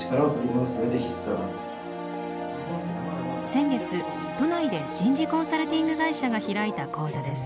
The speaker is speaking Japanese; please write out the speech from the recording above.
先月都内で人事コンサルティング会社が開いた講座です。